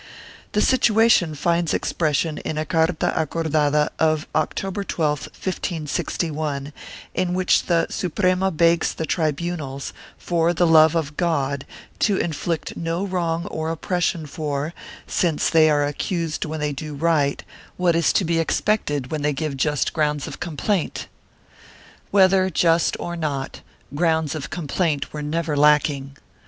The situation finds expression in a carta acordada of October 12, 1561, in which the Suprema begs the tribunals, for the love of God, to inflict no wrong or oppression for, since they are accused when they do right, what is to be expected when they give just grounds of complaint ?* Whether just or not, grounds of complaint were never lacking.